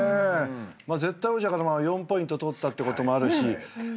絶対王者から４ポイント取ったってこともあるし。